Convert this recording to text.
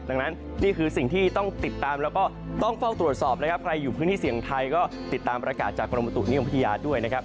ดังนั้นนี่คือสิ่งที่ต้องติดตามแล้วก็ต้องเฝ้าตรวจสอบนะครับใครอยู่พื้นที่เสี่ยงไทยก็ติดตามประกาศจากกรมประตุนิยมพัทยาด้วยนะครับ